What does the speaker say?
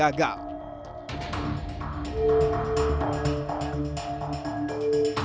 alias yang mencopet